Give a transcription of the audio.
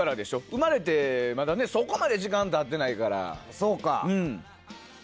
生まれてまだそこまで時間が経ってないから。